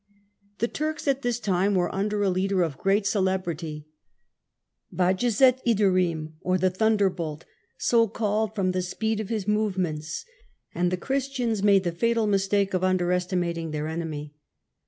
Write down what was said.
The Turks at this time were under a leader of great celebrity, Bajazet l^it a " Ilderim, or the Thunderbolt, so called from the speed of 1389 1403 his movements ; and the Christians made the fatal mis take of underestimating their enemy.